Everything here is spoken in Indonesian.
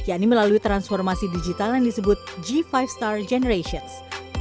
yakni melalui transformasi digital yang disebut g lima star generations